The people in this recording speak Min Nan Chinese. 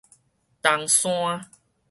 冬山